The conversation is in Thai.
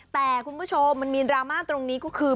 แต่คุณผู้ชมมันมีดราม่าตรงนี้ก็คือ